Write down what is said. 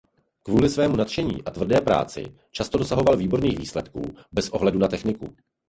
Kvůli svému nadšení a tvrdé práci často dosahoval výborných výsledků bez ohledu na techniku.